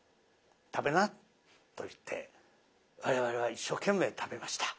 食べな」と言って我々は一生懸命食べました。